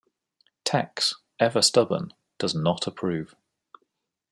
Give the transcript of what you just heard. Tex, ever stubborn, does not approve.